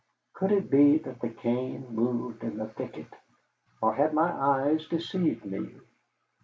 Could it be that the cane moved in the thicket? Or had my eyes deceived me?